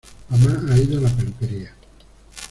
Mama ha ido a la peluquería.